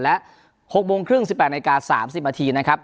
และ๖โมงครึ่ง๑๘นาที๓๐นาทีนะครับ